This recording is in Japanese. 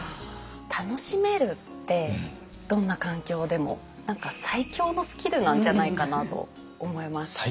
楽しめるってどんな環境でも何か最強のスキルなんじゃないかなと思います。